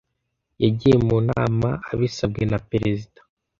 Yagiye mu nama abisabwe na perezida.